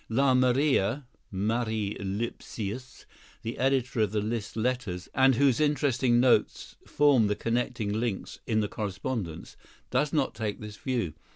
La Mara (Marie Lipsius), the editor of the Liszt letters and whose interesting notes form the connecting links in the correspondence, does not take this view.